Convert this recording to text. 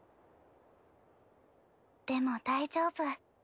でも大丈夫。